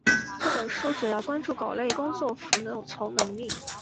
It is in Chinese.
这本书主要关注狗类工作服从能力。